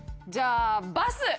じゃあバス。